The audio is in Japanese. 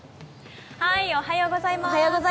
おはようございます。